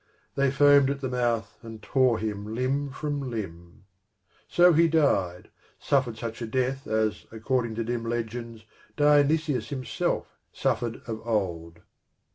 They foamed at the mouth and tore him limb from limb. So he died, suffered such a death as, according to dim legends, Dionysus himself suffered of old.